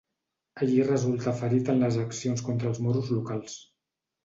Allí resultà ferit en les accions contra els moros locals.